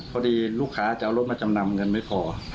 พอดีลูกค้าจะเอารถมาจำนำเงินไม่พอ